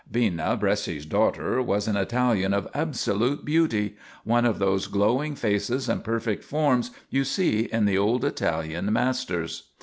Bina, Bresci's daughter, was an Italian of absolute beauty; one of those glowing faces and perfect forms you see in the old Italian masters.